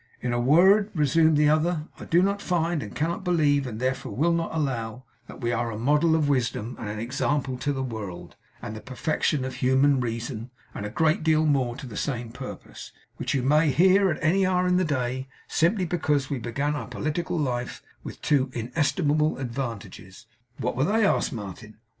'In a word,' resumed the other, 'I do not find and cannot believe and therefore will not allow, that we are a model of wisdom, and an example to the world, and the perfection of human reason, and a great deal more to the same purpose, which you may hear any hour in the day; simply because we began our political life with two inestimable advantages.' 'What were they?' asked Martin.